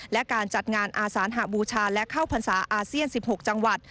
และการจัดงานอาสานหบูชาและเข้าพรรษาอาเซียน๑๖จังหวัด